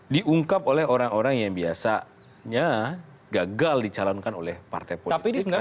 diungkap oleh orang orang yang biasanya gagal dicalonkan oleh partai politik atau koalisi politik